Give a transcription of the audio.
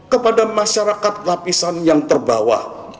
kepada masyarakat lapisan yang terbawa